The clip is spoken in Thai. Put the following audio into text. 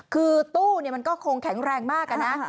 คือตู้มันก็คงแข็งแรงมากนะ